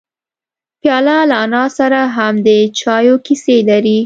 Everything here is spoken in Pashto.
پیاله له انا سره هم د چایو کیسې لري.